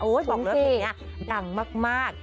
บอกเลยว่าเพลงนี้ดังมาก